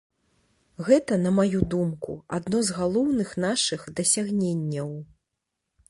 Гэта, на маю думку, адно з галоўных нашых дасягненняў.